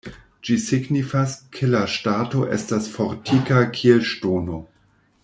Ĝi signifas, ke la ŝtato estas fortika kiel ŝtono.